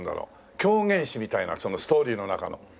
狂言師みたいなストーリーの中の。